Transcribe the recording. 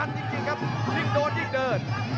ยิ่งโดนยิ่งเดิน